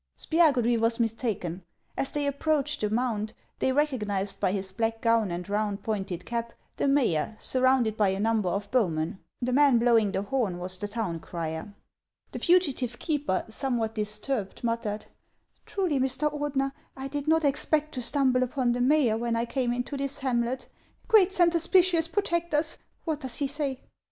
Spiagudry was mistaken. As they approached the mound they recognized by his black gown and round, pointed cap, the mayor, surrounded by a number of bow men. The man blowing the horn was the town crier. The fugitive keeper, somewhat disturbed, muttered :" Truly, Mr. Ordener, I did not expect to stumble upon the mayor when I came into this hamlet. Great Saint Hospitius, protect us ! What does he say